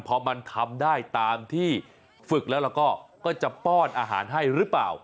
พอมันทำได้ตามที่ฝึกแล้วก็จะป้อนอาหารให้หรือเปล่า